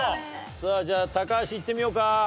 さあじゃあ高橋いってみようか。